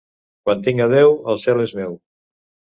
Quan tinc a Déu, el cel és meu.